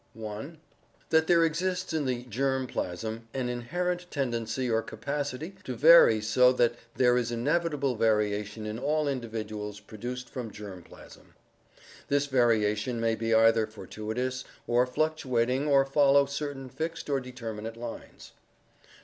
(1) "That there exists in the germ plasm an inherent tendency or capacity to vary so that there is inevitable variation in all in dividuals produced from germ plasm." This variation may be either fortuitous or fluctuating or follow certain fixed or determinate lines.